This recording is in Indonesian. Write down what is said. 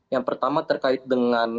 yang pertama terkait dengan